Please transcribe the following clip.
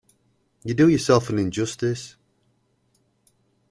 You do yourself an injustice.